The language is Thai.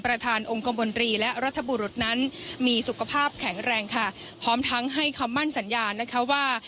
ประธานองค์กรมนตรีและรัฐบุรุษนั้นมีสุขภาพแข็งแรงค่ะพร้อมทั้งให้คำมั่นสัญญานะคะว่า